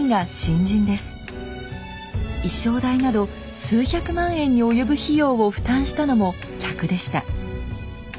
衣装代など数百万円に及ぶ費用を負担したのも客でした。